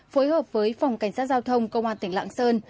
phối hợp với phòng cảnh sát giao thông công an tỉnh lạng sơn